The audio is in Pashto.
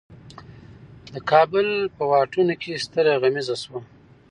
د کابل په واټونو کې ستره غمیزه شوه.